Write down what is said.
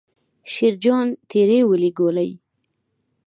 شیرجان تېرې ولي ګولۍ.